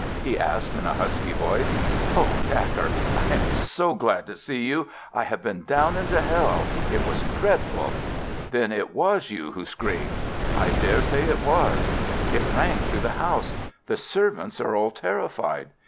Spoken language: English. he asked in a husky voice. "Oh, Dacre, I am glad to see you! I have been down into hell. It was dreadful." "Then it was you who screamed?" "I dare say it was." "It rang through the house. The servants are all terrified."